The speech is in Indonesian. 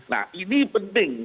nah ini penting